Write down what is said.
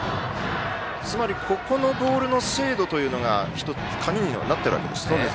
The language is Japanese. つまり、このボールの精度が鍵になっているわけですね。